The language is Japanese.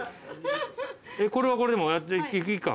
これはこれでやっていいか。